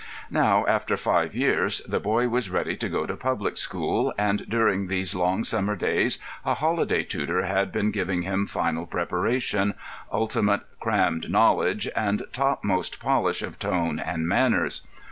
Now, after five years, the boy was ready to go to a public school, and during these long summer days a holiday tutor had been giving him final preparation, ultimate crammed knowledge, and topmost polish of tone and manners.